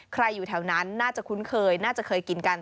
อยู่แถวนั้นน่าจะคุ้นเคยน่าจะเคยกินกัน